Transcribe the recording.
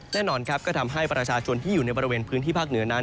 แน่นอนครับก็ทำให้ประชาชนที่อยู่ในบริเวณพื้นที่ภาคเหนือนั้น